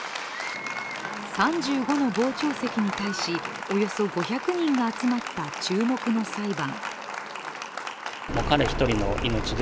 ３５の傍聴席に対しおよそ５００人が集まった注目の裁判。